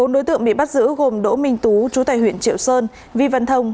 bốn đối tượng bị bắt giữ gồm đỗ minh tú chú tài huyện triệu sơn vi văn thông